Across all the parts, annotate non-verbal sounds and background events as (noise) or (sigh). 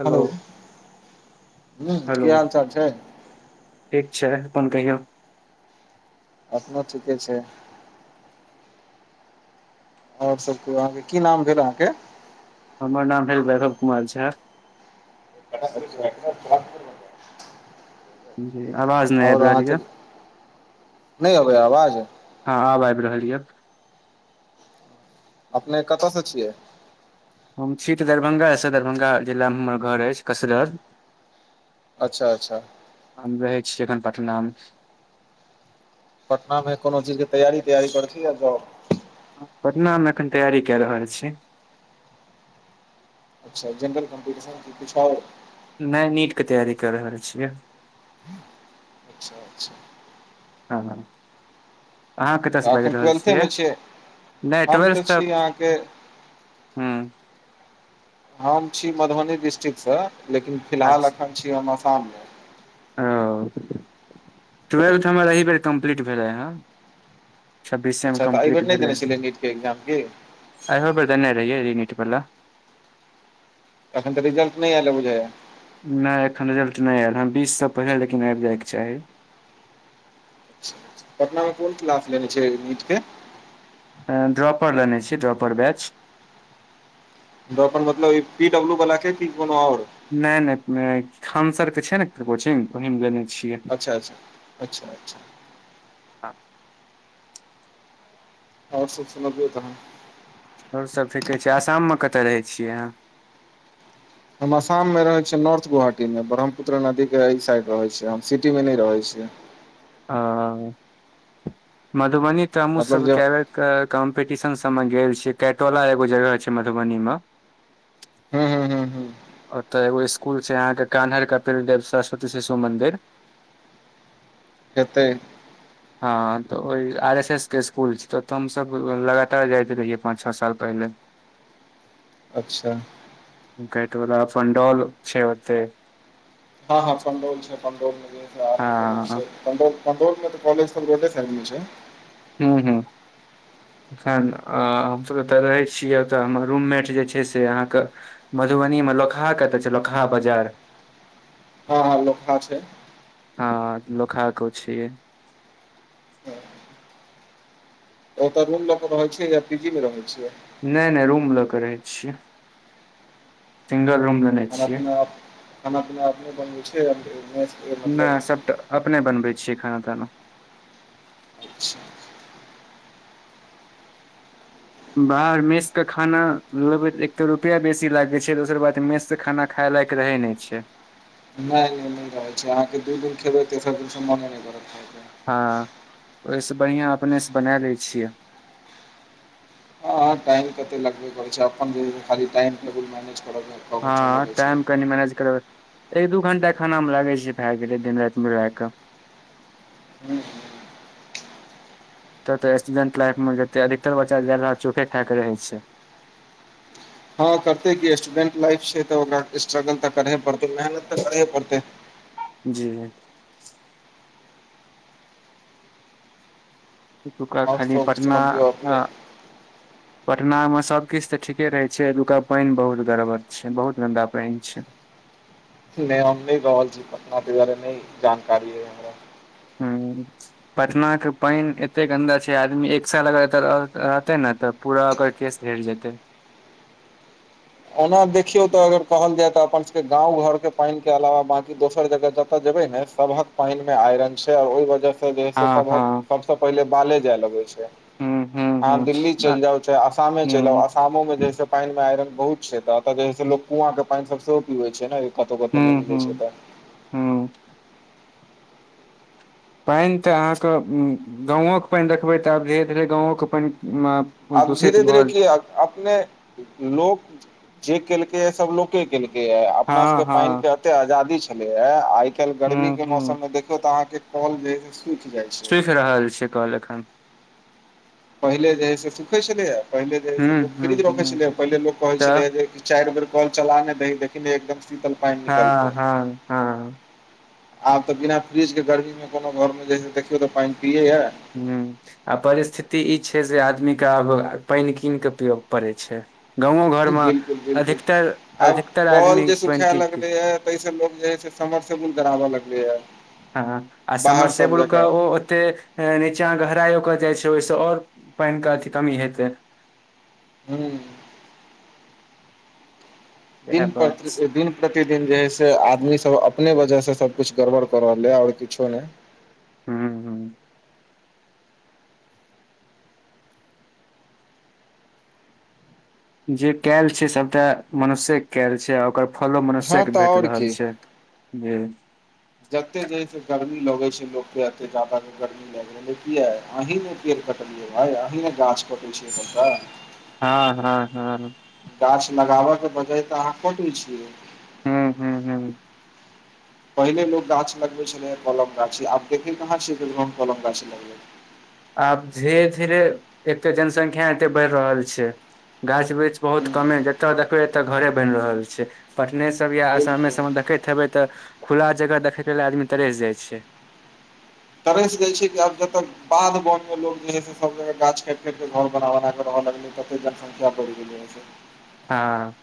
Hello ह की hello हाल चाल छै ठीक छै। अपन कहियौ? अपना ठीके छै। और सभके आहाँके, की नाम भेल आहाँके? हमर नाम भेल वैभव कुमार झा। (unintelligible) जी आवाज नहि और आबि रहल आहाँ यऽ त, नहि होबैय आवाज? हँ आब आबि रहल यऽ। अपने कत‌यसँ छियै? हम छी तऽ दरभंगा से दरभंगा जिलामे हमर घर अछि कसरत। अच्छा अच्छा हम रहै छियै एखन पटना मे पटना मे कोनो चीजके तैयारी पर छी या जॉब करै छी? पटना मे एखन तैयारी केए रहल छी। अच्छा, जनरल कॉम्पिटिशन कि किछु आओर? नहि, नीटके तैयारी कऽ रहल छियै। अच्छा अच्छा हँ अहाँ कतऽ सँ तऽ बाजि एखन रहल ट्वेल्थेमे छियै? नहि, हम ट्वेल्थ तऽ? छी अहाँके हूँ (inaudible) हम छी मधुबनी डिस्ट्रिक्टसँ, लेकिन फिलहाल अच्छा। एखन हम आसाममे छी। ट्वेल्थ हमर एहि बेर कम्प्लीट भेलै हे। छब्बीसमे अच्छा तऽ कम्प्लीट एहिबेर नहि भेलै, देने छलियै नीटके एक्जाम की एहिबेर देने रहियै नीट वाला। अखन तऽ रिजल्ट नहि आयल बुझाइ छै। नहि एखन रिजल्ट नहि आयल हं बीस सँ पहिले लेकिन आबि जायके चाही पटना मे कोन क्लास लेने छै नीट के ड्रॉपर लेने छीयै ड्रॉपर बैच ड्रॉपर मतलब ई पी डब्लू वला के कि कोनो आओर नहि नहि खानसर के छै ने कोचिंग ओहि मे लेने छियै अच्छा अच्छा अच्छा अच्छा आऔर सब सुनबियौ तहन और सब ठीके छै आसाम मे कतय रहै छियै अहाँ हम आसाम मे रहै छियै नार्थ गोवहाटी मे ब्रह्मपुत्र नदी के एहि साइड रहैत छियै हम सिटी मे नहि रहैत छियै हँ मधुबनी तऽ हमहुँ मतलब सब जे के बेर क कम्पीटीशन सब में गेल छी कैटोला एगो जगह छै मधुबनी मे हूँ हू हूँ हूँ ओतऽ एगो स्कुल छै आहाँ के कान्हर कपील देव सरस्वती शिशु मंदिर हेतै हँ तऽ ओहि आर एस एस के स्कुल छै तऽ तऽ हमसभ लगातार जाइत रहियै पाँच छओ साल पहिले अच्छा कयटोला पणडोल छै ओते हँ हँ पंडोल छै पंडोल मे जे आर के कॉलेज हँ छै पंडौल पंडौल मे तऽ कॉलेज सब रोडै साइड मे छै हू हू खन हमसभ एतय रहै छियै ओतऽ हमर रूममेट जे छै से आहाँके मधुबनी मे लोकहा कतऽ छै लोकहा बाजार हँ हँ लोकहा छै हँ लोकहा के ओ छीये ओतऽ रूम ल के रहै छिय या पीजी मे रहै छियै नहि नहि रूम लऽ के रहै छियै सिंगल रूम ल खाना पीना खाना पीना अपने छियै या मेस मतलब नहि सब तऽ अपने बनबै छियै खाना ताना अच्छा बाहर मेष के खाना लेबे एक त रुपआ बेसी लागे छै दोसर बात मेस के खाना खाय लायक रहै नहि छै नहि नहि नहि रहै छै अहाँके दू दिन खेबै तेसर दिनसँ मोने नहि करत खायके हँ ओहिस बढ़िया अपने से बना ले छियै हाँ टाइम कते लगबे करैत छै अपन जे खाली टाइम टेबुल मैनेज करअ के हँ टाइम कनि मैनेज करबै एक दू घंटा खाना मे लागै छै भए गेलै दिन राति मिलाय कऽ हू त त स्टूडेंट लाइफ मे जते अधिकतर बच्चा ज्यादा चोखे खा के रहे छै हँ करते के स्टूडेंट लाइफ छै तऽ ओकरा स्ट्रगल तऽ करहे पड़ते मेहनत तऽ करहे पड़ते जी एतुका आओर खाली सब पटना सूनबियो अपने पटना में सब किछ तऽ ठीके रहे छै एतुका पानि बहुत गड़बड़ छै बहुत गन्दा पानि छै नहि हम नहि रहल छी पटना तै दुआरे नहि जानकारी अय हमरा हँ पटना के पानि एते गन्दा छै आदमी एक साल अगर एतो रहते ने तऽ पूरा ओकर केस छर जेतै ओना देखियौ तऽ अगर कहल जाय तऽ अपन सबके गाँव घर के पानि के अलावा बांकी दोसर जगह जतय जेबै ने सबहक पानि मे आइरन छै और ओहि वजह से जे है से हँ सबहक हँ सबसे पहिले बाले जाय लगै छै हूँ आहाँ हूँ दिल्ली चल जाउ चाहे आसमे चल जाउ हूँ आसामो में जैसे पानि मे आयरन बहुत छै त तऽ जे है से लोक कुआं के पानि सब सेहो पीबै छै ने कतहु कतहु नहि मिलै छै तऽ हू पानि तऽ अहाँके गाँवो के पानि देखबै तऽ आब धीरे धीरे गाँवो के पानि आब दूषित धीरे धीरे भऽ की अपने लोक जे केलकै ह सबलोक के केलकै या अपना हँ सबके पानि हँ के एते आजादी छलैया आ आइ काइल गर्मी हूँ के हूँ मौसम मे देखियौ तऽ आहाँके कल जे हैछै से सुखि जाइ छै सुख रहल छै कल एखन पहिले जे है से सुखे छलैया पहिले जे है से हूँ लोक हूँ फ्रीज रखै हूँ छलैया पहिले लोक कहै तऽ छलैेया जे चारि बेर कॉल चला नहि दी देख एकदम शीतल पानि निकलतै हँ हँ हँ आब तऽ बिना फ्रिजके गर्मीमे कोनो घरमे जे देखियौ तऽ पानि पियैएा हूँ आ परिस्थिति ई छै जे आदमी के आब पानि कीन कऽ पियो पड़ै छै गाँंवों घर मे बिल्कुल बिल्कुल अधिकतर अधिकतर आदमी पानिके तस लोग जे है से समर सेबुल कराबऽ लगले ह हँ आ समर से बुलक ओ ओते हैं नीचाँ गहराय ओकर जाइ छै ओहिस और पानि के अथी कमी हेतै ह्म इएह दिन बात छै प्रतिदिन प्रतिदिन जे है से आदमी सब अपने वजह से सबकुछ गड़बड़ कऽ रहल ह ओर किछो नहि हूं हूं जे कयल छै सभटा मनुष्यके कयल छै आ ओकर फलो हँ मनुष्य्यकके तऽ भेट आओर रहल की छै जे जते जेस गर्मी लगे छै लोक के एते जदा गर्मी ल कीये अी ने चेर कटलऐ भाय अी ने गाछ कटल छै करता हँ हँ हँ गाछ लगाबयके बजह तऽ अहाँ कैटय छियै हू हू हू पहिले लो गाछ लगे छले हे कलम गाछी आब देखे कहाँ छ कलम गाछी लगे आब धीरे धीरे एते जनसंख्या एते बढ़ रहल छै गाछ ब बृच बहुत कमे जतऽ देखबै एतऽ घरे बनि रहल छै पटने सब या आसामे बिलकुल सबमे देखैत हेबै तऽ खुला जगह देखयके ल आदमी तरेस जाइ छै तरेसँ जाै छै कि आब जतन (unintelligible) (unintelligible) हँ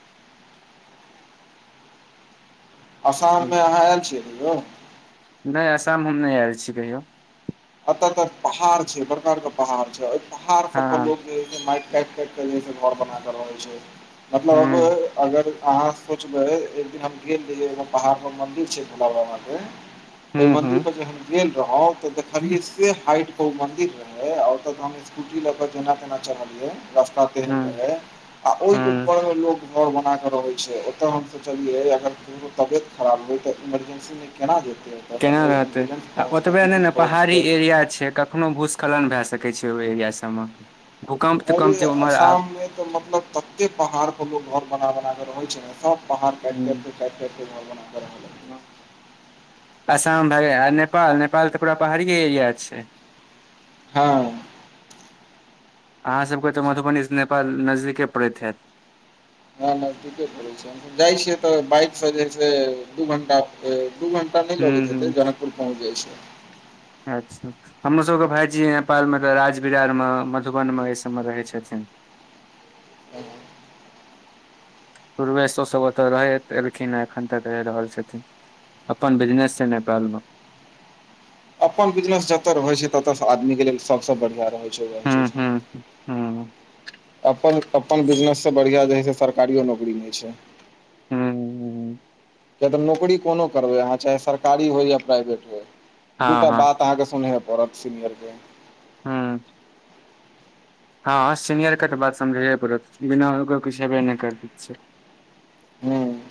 आसाममे अहाँ आयल छियै र यौ नहि आसाम हम नहि आयल छी कहियो एतऽ त पहाड़ छै बड़का बड़का पहाड़ छै ओहि पहाड़ सब परो हँ जे माटि काटि काट घर बना कऽ रहे छै हूं मतलब अगर अहाँ सोचबै एक दिन हम गेल रहियै एगो पहाड़ पर मंदिर छै भोला बाबा के ओहि हूं हूं मंन्दिर पर जे हम गेल रहौ तऽ हाइट के ओ मंदिर रहै आ ओत त हम स्कूटी ल के जेना तेना हूं चढ़लियै र (unintelligible) आ ओहि हूं ऊपर मे लोग घर बनााक रहै छै ओतय हम चलियै अर ककरो तबियत खराब रहै तऽ इमरजेन्सीमे केना जेतै ओऽ केना सममे रहतै एम्बुलेन्स आ ओतबे पहुँचतै नहि कि ने पहाड़ी एरिया छै कखनो भूस्खलन भए सकै छै ओहि एरिया सबमे भूकम्प अर तूकम्प जे उम्हर आ आसाममे तऽ मतलब तते पहाड़ पर लोग घर बना बना के रहे छै ने सब पहा काटाटे काटि करते घर बना (unintelligible) आसाम भऽ गेल नेपाल नेपाल तऽ पूरा पहाड़ीे एरिया छै हँ अहाँ सभके तऽ मधुबनी से नेपाल नजदीके पड़ैत हैत नहि नहि ठीके पड़ै छै हम जाइ छियै तऽ बाइक से जे दू घंटा दू घंटा टा नहि हूँ लगैत हूँ ते जनकपुर पहुँच जाइ छै अच्छा हमरोसभके भायजी नेपालमे तऽ राज बिरारमे मधुबन मे एहिसभमे रहैत छथिन (unintelligible) पूर्वेशो सब ओतऽ रह एलखिन ह एखन तक रहि रहल छथिन अपन बिजनेस छै नेपाल मे अपन बिजनेस जतय रहैत छै ततय आदमीके लेल सभसँ बढ़िआँ रहैत छै ओएह चीज हुँ अपन अपन बिजनेससँ बढ़िआँ जेइ छै सरकारिो नौकरी नहि छै हूँ किए तऽ नौकरी कोनो करबै अहाँ चाहे सरकारी होए या प्राइवेट होए हँ दूटा हँ बात अहाँके सुनै पड़त सीनियर के हँ हँ सीनियर के तऽ बात समझै पड़त बिनाकर किछु हेबे नहि कर दै छ हुँ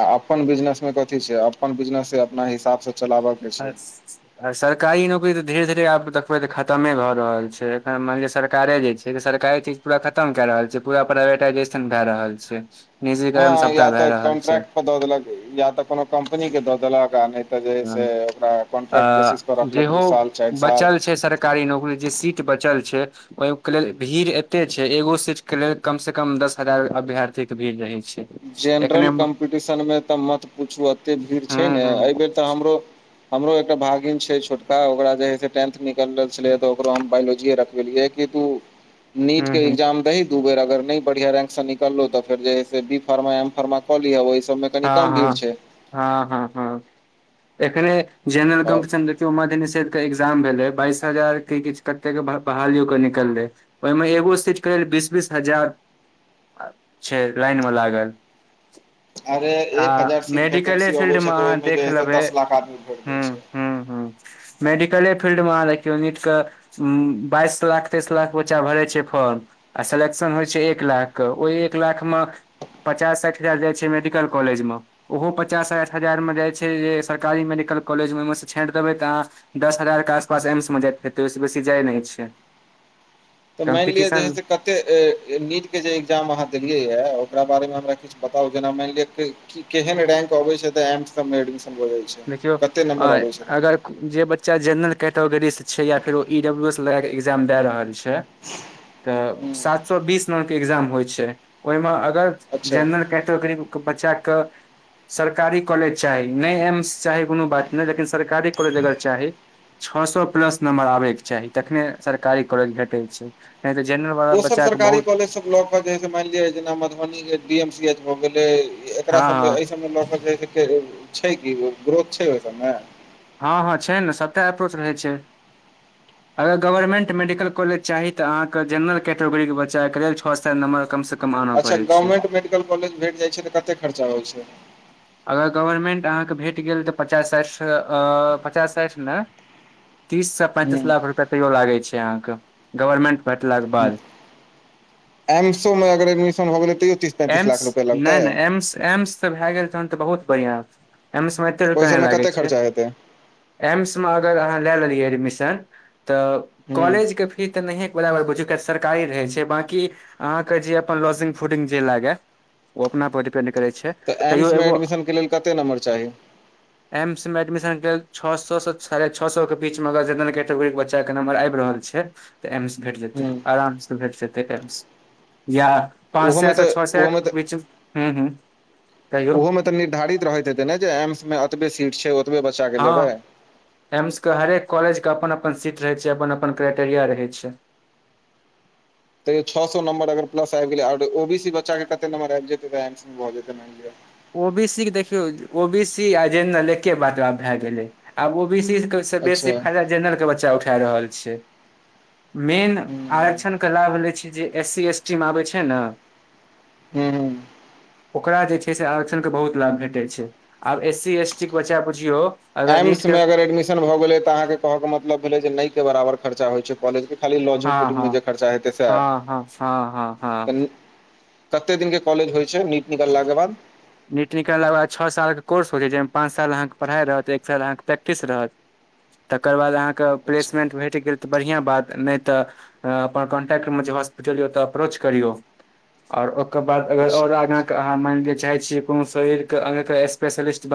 आ अपन बिजनेस मे कथी छै अपन बिजनेस से अपना हिसाब से चलाबक अच्छा आ सरकारी नौकरी तऽ धीरे धीरे आब देखबै तऽ खतमे भऽ रहल छै एखन मानि लिअ सरकारे जे छै सरकारे चीज पूरा खतम कए रहल छै पूरा प्राइवेटाइजेशन भए रहल छै निजीकण हँ सबटा या भए तऽ रहल छै कॉन्ट्रैक्ट दऽ देलक या तऽ कोनो कम्पनी के दऽ देलक आ नइ तऽ जे है से ओकरा आ कॉन्ट्रक्ट बेसिस पर रखलक दू साल चारि साल कारी नौकरी जे सीट बचल छै ओहि के लेल भीड़ एते छै एगो सीट के लेल कम से कम दस हजार अभ्यारथी के भीड़ रहै छै एखने जनरल हूं कॉम्पिटिशन मे तऽ मत पुछू एते भीड़ छै ने हूं एहिबेर तऽ हमरो हमरो एकटा भागिन छै छोटका ओकरा जे हे से टेंथ निकल रहले त ओकरो हम बायोलॉजीए रखवेलिय कि तू नीट हूं के हूं एग्जाम दही दू बेर अगर नहि बढ़िया रैंक से निकललो तऽ फेर जे हे से बी फर्मा एम फर्मा कऽ लीहै ओहि सबमे हँ हँ हँ हँ हँ एकरे जेनरल आओर कम्पीटीसन मध निषेध के एग्जाम भेले बाइस हजार के किछ कते के बहाली क निकलै ओहिमे एगो सीट के लेल बीस बीस हजार छै लाइन मे लागल अरे आ एक हजार सीट मेडिकले वैकेंसी फील्ड अबै मे छै तऽ अहाँ ओहिमे देख जे है लेबै दस लाख आदमी भड़ देय हुँ छै (inaudible) हुँ हुँ मेडिकले फिलल्ड मे अहाँ देखियो नीट के बाइस लाख तेस लाख बच्चा भरे छै फर्म आ सेलेक्शन होइ छै एक लाख के ओहि एक लाख मे पचास साठि हजार जाइ छै मेडिकल कॉलेज मे ओहो पचास साठि हजारमे जाइत छै जे सरकारी मेडिकल कॉलेजमे ओहिमे सँ छाँड़ि देबै तऽ अहाँ दस हजार के आसपास एम्स मे जाइत हेतै ओहिस बेसी जाय नहि छै तऽ मानि लिअ जे हे कम्पीटिशन से कते नीटके जे एकग्जाम अहाँ देलियै ह ओकरा बारेमे हमरा किछु बताउ जेना मानि लिअ कि केहन रैंक अबे छै त एमस सब एडमिशन हो जाइ छै देखियौ कते नं्बर अ, अबे छै अगर जे बच्चा जेनरल कैटेगरी से छै या फेर ओ इ डब्ल्यू एस लग के एग्जाम दए रहल छै तऽ हूँ सात सए बीस नंबर के एग्जाम होइ छै ओहिमे अगर अच्छा जेनरल कैटगरी बच्चाके सरकारी कॉलेज चाही नहि एम स चाही कोनो बात नहि लेकिन सरकारी कॉलेज अगर चाही छओ सए प्लस नम्बर आबयके चाही तखने सरकारी कॉलेज भेटैत छै नहि तऽ जेनरल वाला दोसर बच्चाके सरकारी बहुत कॉलेज सब लॉक मानि लिय जेना मधुबनी के डी एम सी एच भ गेले एकरा हँ सब अय हँ सब (unintelligible) ल छै कि ग्रोथ छै ओहि सबमे हँ हँ छै ने सभते अप्रोच रहै छै (unintelligible) अगर गवर्नमेंट मेडिकल कॉलेज चाही तऽ अहाँके जे जनरल कैटेगरीे बच्चाके लेल छ सार नम्बर कमसँ कम आनय अच्छा पड़ै छै गवर्नमेंट मेडिकल कॉलेज भेट जाइत छै तऽ कते खर्चा होइ छै अगर गवर्मेंट अहाँकेँ भेट गेल तऽ पचास साठि पचास साठि ने तीससँ पैंतीस हूँ लाख रुपैआ तैयो लागै छै अहाँके गवर्नमेंट भेटलाक बाद एमसो मे अगर एडमिशन भ गेलै तैयो पैंतीस एम्स लाख रुपआ लगतै नहि नहि एम्स एम्स त भए गेल छन तऽ बहुत बढ़ियां एम्स मे कते ओहि रुपआ नहि सबमे लागे कते छै खर्चा हेतै एम्स मे अगर अहाँ ले लेलियै एडमिशन तऽ हूँ कॉलेज के फी त नहि बराबर बुझियो कियाकि सरकारी रहे छै बांकी अहाँ के जे अपन लॉजिंग फूडिंग जे लागे ओ अपना पर डिपेंड करे छै तऽ तैयो एम्समे एगो एडमिशनके लेल कते नम्बर चाही एम्स मे एडमिशनके लेल छओ सए सँ साढ़े छओ सए के बीचमे अगर जेनर कैटेगरीक के बच्चाके नंबर आबि रहल छै तऽ एम्स भेट जेतै हूँ आरामसँ भेट जेतै एम्स या ओहोमे तऽ ओहोमे (unintelligible) हुं हुं ओहो मे तऽ निर्धारित रहैत हेत ने जे एम्स मे एतबे सीट छै ओतबे बच्चा के लेबै हँ एम्स के हरेक कॉलेज के अपन अपन सीट रहै छै अपन अपन क्राइटेरिया रहै छै तैय छओ सए नंबर अगर पलस आबि गेलै ओ बी सी बच्चा के कते नंबर आब जेतै त एमस मे भऽ जेतै मानि लिअ ओ बी सी के देखियौ ओ बी सी आ जेनरल एके बात आब भए गेलै आब ओ बी सी से बेसी अच्छा फायदा जेनरल के बच्चा उठा रहल छै मेन हूँ आरक्षणके लाभ होै छै जे एस सी एस टीमे आबै छै ने हूँ हूँ ओकरा जे आरक्षण के बहुत लाभ भेटे छै आब एस सी एसटी के बच्चा बुझियौ अगर नीट एम्स मे के अगर एडमिशन भऽ गेलै तऽ अहाँके कहऽ के मतलब भेलै जे नहि के बराबर खर्चा होइ छै कॉलेज के खाली लॉजिंग हँ फूडिंग मे हँ जे खर्चा हेते सैह हँ हँ हँ हँ हँ कते दिन के कॉलेज होइ छै नीट निकलला के बाद नीट निकलाक बाद छओ साल के कोर्स होइ छै जहिमे पाँच साल अहाँके पढ़ाइ रहत एक साल अहाँके प्रैक्टिस रहत तकर बाद अहाँके अच्छा प्लेसमेंट भेट गेल तऽ बढ़िया बात नहि तऽ अपन कॉन्टेकक्ट मे जे हॉस्पिटल यौ तऽ अप्रोच करियौ और ओकर बाद अगर और आगाँ अच्छा के अहाँ मानि लिय चाहे छीयै कोनो शरीर के अंग के स्पेशलिस्ट बन